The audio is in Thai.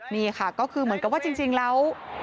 นี่ค่ะก็คือเหมือนกับว่าจริงแล้ว